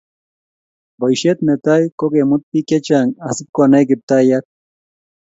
Bosihet netai ko kemut bik che chang asipikonai Kiptayat